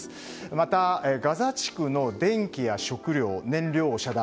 またガザ地区の電気や食料燃料を遮断。